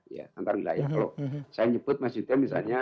ya antarwilayah kalau saya nyebut mas yuda misalnya